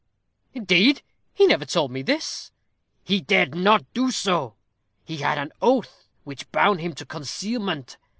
"Indeed! He never told me this." "He dared not do so; he had an oath which bound him to concealment.